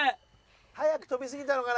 早く跳びすぎたのかな。